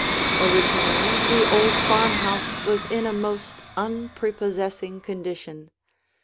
Originally the old farmhouse was in a most unprepossessing condition.